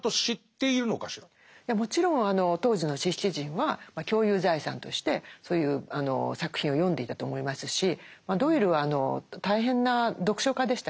もちろん当時の知識人は共有財産としてそういう作品を読んでいたと思いますしドイルは大変な読書家でしたから必ず読んでたと思うんですね。